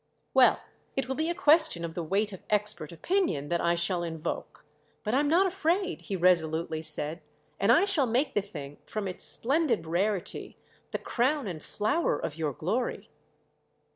"Well, it will be a question of the weight of expert opinion that I shall invoke. But I'm not afraid," he resolutely said, "and I shall make the thing, from its splendid rarity, the crown and flower of your glory."